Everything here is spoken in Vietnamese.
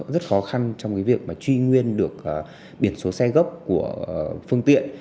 rất khó khăn trong cái việc mà truy nguyên được biển số xe gốc của phương tiện